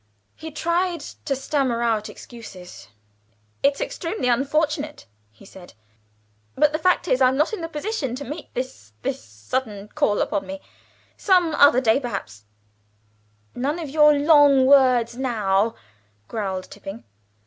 He tried to stammer out excuses. "It's extremely unfortunate," he said, "but the fact is I'm not in a position to meet this this sudden call upon me. Some other day, perhaps " "None of your long words, now," growled Tipping.